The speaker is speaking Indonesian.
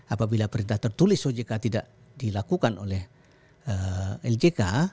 apabila perintah tertulis ojk tidak dilakukan oleh ljk